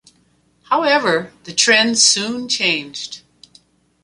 However, the trend soon changed.